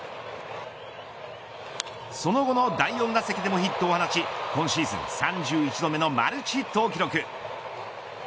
その後の第４打席でもヒットを放ち今シーズン３１度目のマルチヒットを記録。